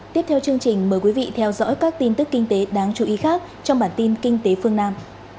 tiếp theo chương trình mời quý vị theo dõi các tin tức kinh tế đáng chú ý khác trong bản tin kinh tế phương nam